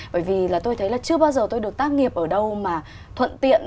bởi vì là tôi thấy là chưa bao giờ tôi được tác nghiệp ở đâu mà thuận tiện